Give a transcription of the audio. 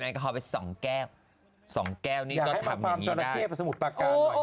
กำลังแบบล่า๒แก้วสรวนเสลยแล้ว